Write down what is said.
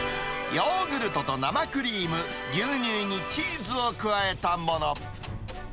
ヨーグルトと生クリーム、牛乳にチーズを加えたもの。